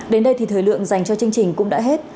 đến đây thì thời lượng dành cho chương trình cũng đã hết